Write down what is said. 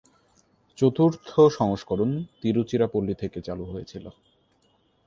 চতুর্থ সংস্করণ তিরুচিরাপল্লী থেকে চালু হয়েছিল।